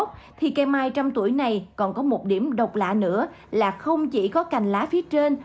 cây mai trăm tuổi này còn có một điểm độc lạ nữa là không chỉ có cành lá phía trên